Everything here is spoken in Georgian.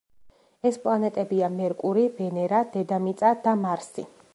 ეს პლანეტებია: მერკური, ვენერა, დედამიწა და მარსი.